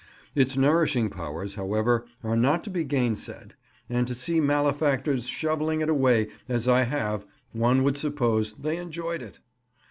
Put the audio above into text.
Its nourishing powers, however, are not to be gainsaid; and to see malefactors shovelling it away, as I have, one would suppose they enjoyed it.